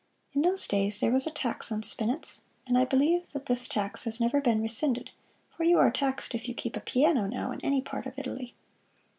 In those days there was a tax on spinets, and I believe that this tax has never been rescinded, for you are taxed if you keep a piano, now, in any part of Italy.